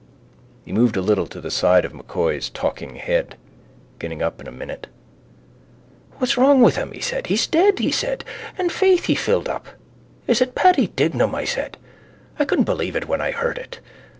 He moved a little to the side of M'Coy's talking head. Getting up in a minute. —What's wrong with him? He said. He's dead, he said. And, faith, he filled up. Is it Paddy Dignam? I said. I couldn't believe it when I heard it.